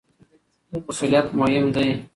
خو مسؤلیت مهم دی.